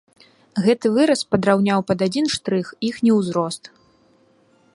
Гэты выраз падраўняў пад адзін штрых іхні ўзрост.